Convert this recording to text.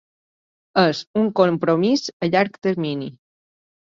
És un compromís a llarg termini.